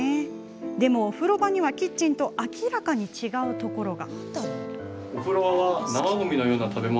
でも、お風呂場にはキッチンと明らかに違うところが。